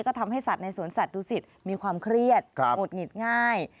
ก็ทำให้สัตว์ในสวนสัตว์ดูสิตมีความเครียดหงุดหงิดง่าย